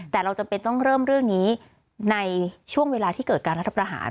แต่เราจำเป็นต้องเริ่มเรื่องนี้ในช่วงเวลาที่เกิดการรัฐประหาร